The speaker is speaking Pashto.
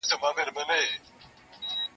زه به سبا د نوي لغتونو يادوم!!